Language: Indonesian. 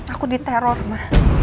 aku diteror ma